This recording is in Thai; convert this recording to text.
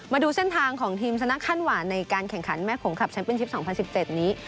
มาดูเส้นทางของทีมสันน่าคันวาในการแข่งขันแม่พงคลับชัมปินชีพ๒๐๑๗นี้